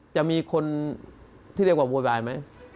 จะมีคนที่เรียกว่าโวยวายไหม